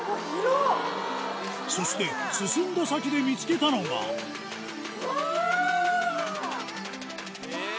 そして進んだ先で見つけたのがうわぁ！